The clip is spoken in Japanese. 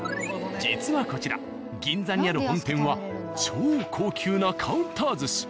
実はこちら銀座にある本店は超高級なカウンター寿司。